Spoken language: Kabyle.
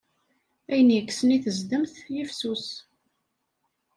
Ayen yekksen i tezdemt, yifsus.